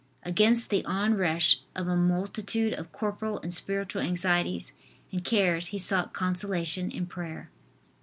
Against the onrush of a multitude of corporal and spiritual anxieties and cares he sought consolation in prayer.